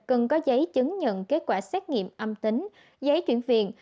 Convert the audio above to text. cần có giấy chứng nhận kết quả xét nghiệm âm tính giấy chuyển viện